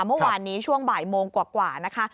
เมื่อวานนี้ช่วงบ่ายโมงกว่านะคะ